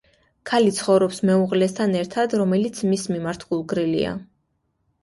ქალი ცხოვრობს მეუღლესთან ერთად, რომელიც მის მიმართ გულგრილია.